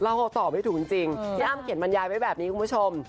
ตอบไม่ถูกจริงพี่อ้ำเขียนบรรยายไว้แบบนี้คุณผู้ชม